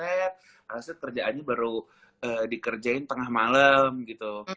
akhirnya kerjaannya baru dikerjain tengah malam gitu